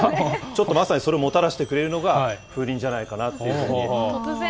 ちょっとまさにそれをもたらしてくれるのが風鈴じゃないかなというふうに。